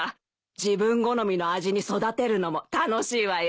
自分好みの味に育てるのも楽しいわよ。